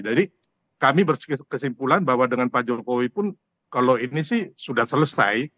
jadi kami bersikap kesimpulan bahwa dengan pak jokowi pun kalau ini sih sudah selesai